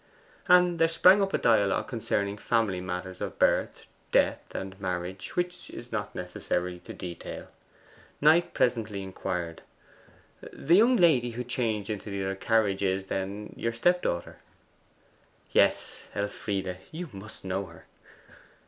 And there sprang up a dialogue concerning family matters of birth, death, and marriage, which it is not necessary to detail. Knight presently inquired: 'The young lady who changed into the other carriage is, then, your stepdaughter?' 'Yes, Elfride. You must know her.